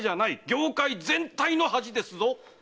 業界全体の恥ですぞ！